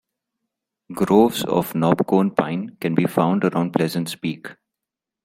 Groves of knobcone pine can be found around Pleasants Peak.